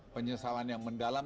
penyesalan yang mendalam